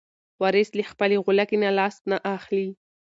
وارث له خپلې غولکې نه لاس نه اخلي.